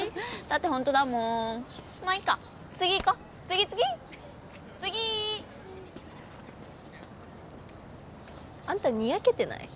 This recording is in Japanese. だってホントだもんまっいっか次いこ次次次あんたニヤけてない？